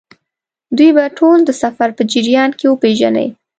دوی به ټول د سفر په جریان کې وپېژنئ.